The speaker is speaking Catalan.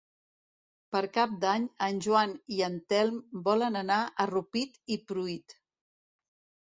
Per Cap d'Any en Joan i en Telm volen anar a Rupit i Pruit.